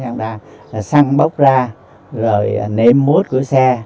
cháu trần ngọc vân anh sinh năm hai nghìn một mươi bảy